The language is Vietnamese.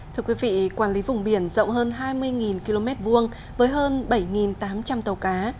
thưa quý vị quản lý vùng biển rộng hơn hai mươi km vuông với hơn bảy tám trăm linh tàu cá